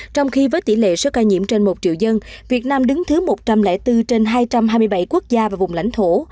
trong khi với tỷ lệ số ca nhiễm trên một triệu dân việt nam đứng thứ một trăm linh bốn trên hai trăm hai mươi bảy quốc gia và vùng lãnh thổ